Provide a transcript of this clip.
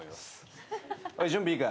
おい準備いいか？